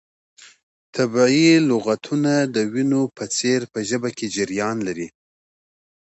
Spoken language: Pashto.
طبیعي لغتونه د وینو په څیر په ژبه کې جریان لري.